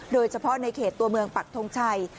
โดยเฉพาะในเขตตัวเมืองปักทงชัย